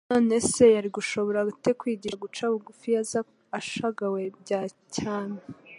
None se yari gushobora ate kwigisha guca bugufi iyo aza ashagawe bya cyami ?